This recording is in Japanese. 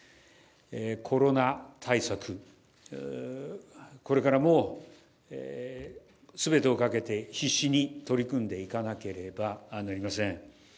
コロナ対策、これからも全てをかけて必死に取り組んでいかなければなりません。